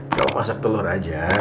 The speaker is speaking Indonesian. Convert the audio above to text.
kamu masak telur aja